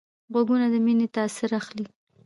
غوږونه د مینې تاثر اخلي